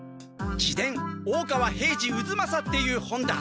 「自伝大川平次渦正」っていう本だ。